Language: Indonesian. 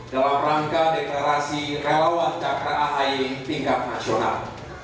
dalam rangka deklarasi relawan cakra ahi tingkat nasional